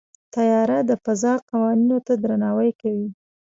طیاره د فضا قوانینو ته درناوی کوي.